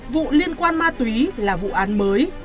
vụ liên quan ma túy là vụ án mới